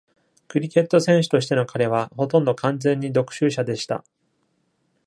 クリケット選手としての彼は、ほとんど完全に独習者でした。